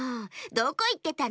どこいってたの？